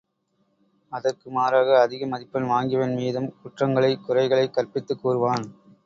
அதற்கு மாறாக அதிக மதிப்பெண் வாங்கியவன்மீது குற்றங்களை, குறைகளைக் கற்பித்துக் கூறுவான்.